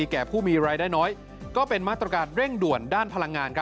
แก่ผู้มีรายได้น้อยก็เป็นมาตรการเร่งด่วนด้านพลังงาน